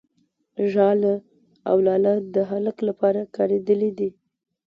، ژاله او لاله د هلک لپاره کارېدلي دي.